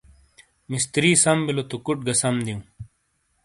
مِستری سَم بِیلو تو کُٹ گا سم دِیوں ۔